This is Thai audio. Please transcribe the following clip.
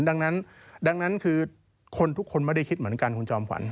ดังนั้นดังนั้นคือคนทุกคนไม่ได้คิดเหมือนกันคุณจอมขวัญ